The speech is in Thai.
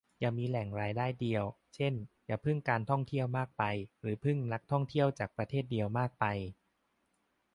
อย่ามีแหล่งรายได้เดียว เช่น อย่าพึ่งการท่องเที่ยวมากไป หรือพึ่งนักท่องเที่ยวจากประเทศเดียวมากไป